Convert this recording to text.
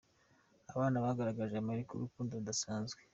Aba bana bagaragarije Amerika urukundo rudasanzwe.